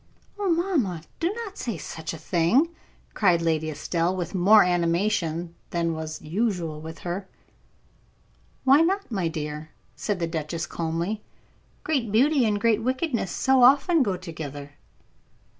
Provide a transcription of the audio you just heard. "Oh, mamma, do not say such a thing!" cried Lady Estelle, with more animation than was usual with her. "Why not, my dear?" said the duchess, calmly. "Great beauty and great wickedness so often go together."